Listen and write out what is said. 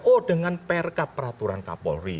oh dengan peraturan kapolri